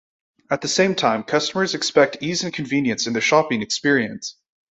At the same time, customers expect ease and convenience in their shopping experience.